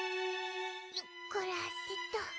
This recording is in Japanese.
よっこらせっと。